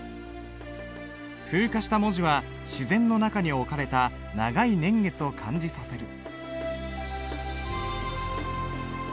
風化した文字は自然の中に置かれた長い年月を感じさせる。